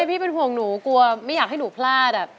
พี่เป็นห่วงหนูกลัวไม่อยากให้หนูพลาด